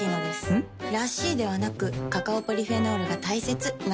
ん？らしいではなくカカオポリフェノールが大切なんです。